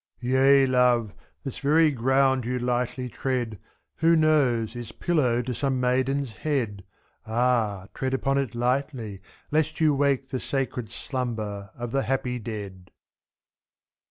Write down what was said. Yea, love, this very ground you lightly tread, Who knows! is pillow to some maiden's head; 4^. Ah ! tread upon it lightly, lest you wake The sacred slumber of the happy dead.